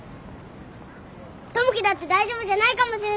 友樹だって大丈夫じゃないかもしれないよ。